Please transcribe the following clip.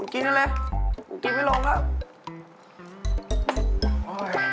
กินนั่นแหละกินไม่ลงแล้ว